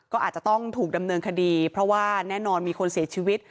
ก็อาจจะต้องถูกดำเนินคดีเพราะว่าแน่นอนมีคนเสียชีวิต